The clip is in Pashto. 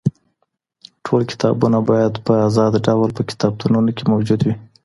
ټول کتابونه بايد په ازاد ډول په کتابتونونو کي موجود وي.